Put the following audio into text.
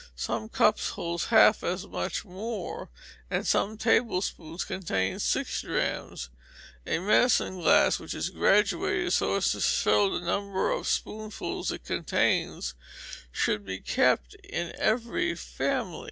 Some cups hold half as much more, and some tablespoons contain six drachms. A medicine glass, which is graduated so as to show the number of spoonfuls it contains, should be kept in every family.